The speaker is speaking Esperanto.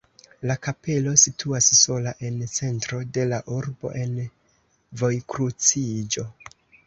La kapelo situas sola en centro de la urbo en vojkruciĝo.